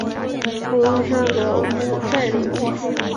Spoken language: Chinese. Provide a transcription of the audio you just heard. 博索纳罗在圣保罗州的格利塞里乌出生。